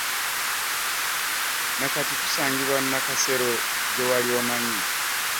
Na kati tusangibwa Nakasero gye wali omanyi.